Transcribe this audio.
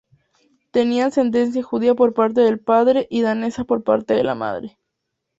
Tenía ascendencia judía por parte del padre y danesa por parte de madre.